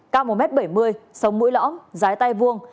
cao một m bảy mươi sống mũi lõm dưới tay vuông